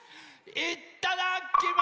いっただきま！